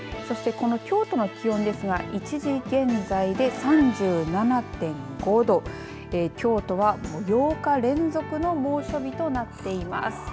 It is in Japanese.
京都の気温ですが１時現在で３７．５度京都は８日連続の猛暑日となっています。